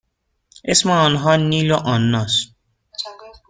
اسم آنها نیل و آنا است.